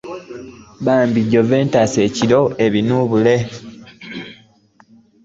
Bmbi Juventus eriko ebinuubule .